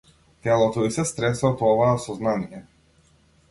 Телото ѝ се стресе од оваа сознание.